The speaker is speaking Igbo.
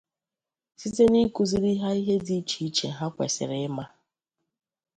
site n'ịkụziri ha ihe dị iche iche ha kwesiri ịma.